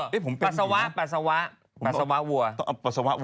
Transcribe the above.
ขี้วัวนี้เหรอปัสสาวะวัว